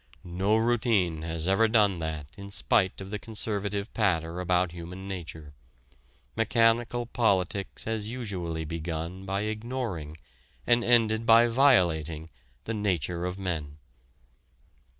No routine has ever done that in spite of the conservative patter about "human nature"; mechanical politics has usually begun by ignoring and ended by violating the nature of men.